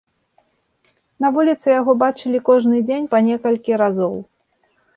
На вуліцы яго бачылі кожны дзень па некалькі разоў.